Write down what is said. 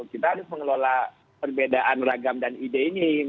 kita harus mengelola perbedaan ragam dan ide ini